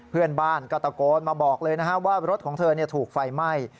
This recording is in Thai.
เพื่อนบ้านก็ตะโกนมาบอกเลยนะครับว่ารถของเธอถูกไฟไหม้